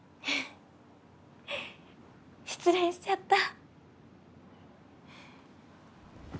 失恋しちゃった。